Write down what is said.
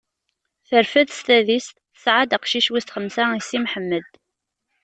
Terfed s tadist, tesɛa-d aqcic wis xemsa i Si Mḥemmed.